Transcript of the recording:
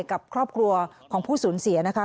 กับครอบครัวของผู้สูญเสียนะคะ